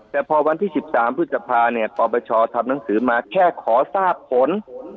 แต่พอวันที่๑๓พฤษภาเนี่ยปปชทำหนังสือมาแค่ขอทราบผล